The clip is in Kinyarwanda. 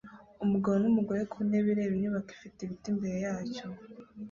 Umugabo numugore ku ntebe ireba inyubako ifite ibiti imbere yacyo